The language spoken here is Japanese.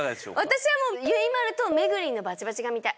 私はゆいまるとめぐりんのバチバチが見たい。